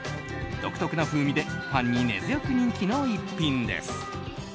独特な風味でファンに根強く人気のひと品です。